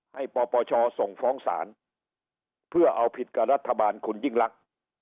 ปปชส่งฟ้องศาลเพื่อเอาผิดกับรัฐบาลคุณยิ่งลักษณ์